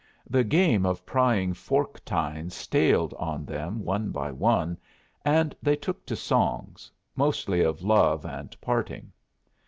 The game of prying fork tines staled on them one by one, and they took to songs, mostly of love and parting.